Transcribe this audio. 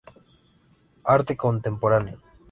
Arte contemporáneo.